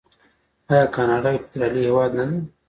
آیا کاناډا یو فدرالي هیواد نه دی؟